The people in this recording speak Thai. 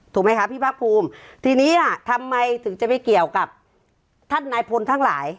ถูกไหมคะพี่ภาคภูมิทีนี้ล่ะทำไมถึงจะไปเกี่ยวกับท่านนายพลทั้งหลาย